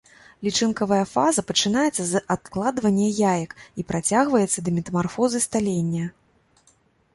Лічынкавая фаза пачынаецца з адкладвання яек і працягваецца да метамарфозы сталення.